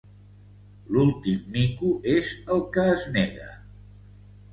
L'últim mico és el que es nega.